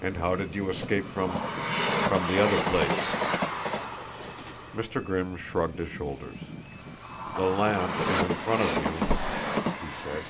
"And how did you escape from from the other place?" Mr. Grimm shrugged his shoulders. "The lamp is in front of you," he said.